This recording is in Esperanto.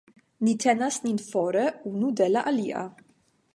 Ni tenas nin fore unu de la alia.